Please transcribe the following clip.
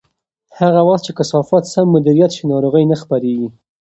هغه وخت چې کثافات سم مدیریت شي، ناروغۍ نه خپرېږي.